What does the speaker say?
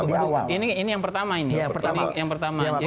ini yang pertama ini